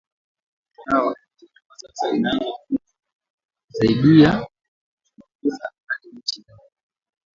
Mtandao wa airtel kwa sasa inaanza kutu saidia kutuma pesa ata inchi ya mbali